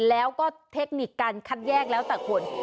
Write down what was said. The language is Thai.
แล้วก็เทคนิคการคัดแยกแล้วแต่คน